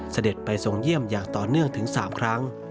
เสด็จไปทรงเยี่ยมอย่างต่อเนื่องถึง๓ครั้ง